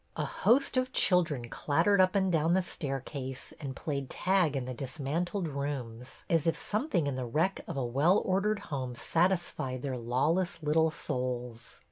A host of children clattered up and down the staircase and played tag in the dismantled rooms, as if some thing in the wreck of a well ordered home satis fied their lawless little souls.